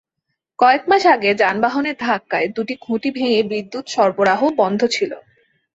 কয়েক মাস আগে যানবাহনের ধাক্কায় দুটি খুঁটি ভেঙে বিদ্যুৎ সরবরাহ বন্ধ ছিল।